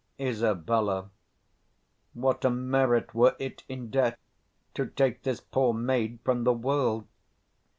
Isab. What a merit were it in death to take this poor 220 maid from the world!